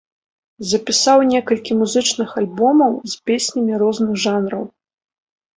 Запісаў некалькі музычных альбомаў з песнямі розных жанраў.